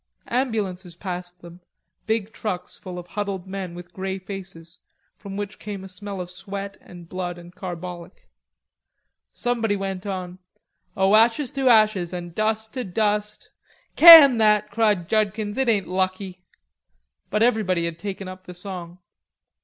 Ambulances passed them, big trucks full of huddled men with grey faces, from which came a smell of sweat and blood and carbolic. Somebody went on: "O ashes to ashes An' dust to dust..." "Can that," cried Judkins, "it ain't lucky." But everybody had taken up the song.